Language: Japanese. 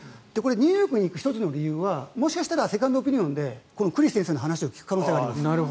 ニューヨークに行く１つの理由はセカンドオピニオンでクリス先生のお話を聞く可能性がある。